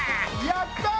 やったー！